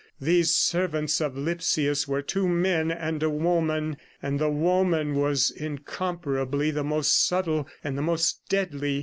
These servants of Lipsius were two men and a woman, and the woman was incomparably the most subtle and the most deadly.